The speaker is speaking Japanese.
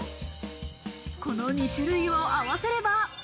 この２種類を合わせれば。